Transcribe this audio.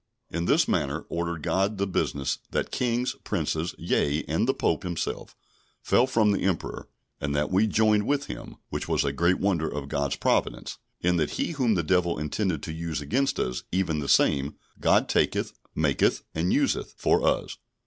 In this manner ordered God the business, that Kings, Princes, yea, and the Pope himself, fell from the Emperor, and that we joined with him, which was a great wonder of God's providence, in that he whom the devil intended to use against us, even the same, God taketh, maketh and useth for us.